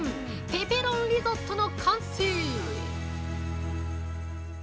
ペペロンリゾットの完成！